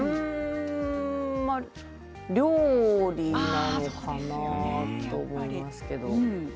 料理なのかな？と思います。